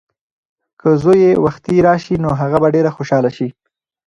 که زوی یې وختي راشي نو هغه به ډېره خوشحاله شي.